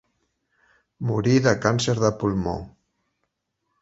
Morí de càncer de pulmó.